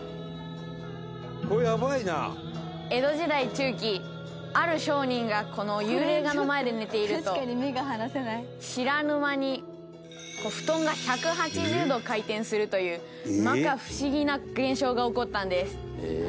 中期ある商人がこの幽霊画の前で寝ていると知らぬ間に布団が１８０度回転するという摩訶不思議な現象が起こったんです」